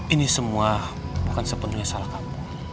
ini semua bukan sepenuhnya salah kamu